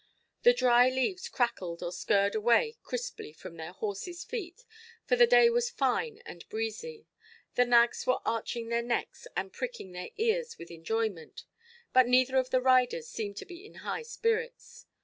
The dry leaves crackled or skirred away crisply from their horsesʼ feet, for the day was fine and breezy; the nags were arching their necks and pricking their ears with enjoyment; but neither of the riders seemed to be in high spirits.